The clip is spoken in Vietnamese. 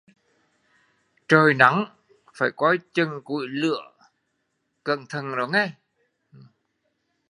Trời nắng phải coi củi coi lửa cẩn thận